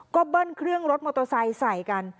ก็เบิ้ลเครื่องรถมอเตอร์ไซค์ใส่กัน